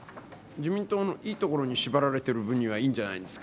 自民党のいいところに縛られている分にはいいんじゃないですか。